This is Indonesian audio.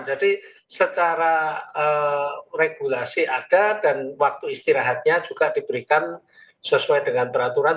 jadi secara regulasi ada dan waktu istirahatnya juga diberikan sesuai dengan peraturan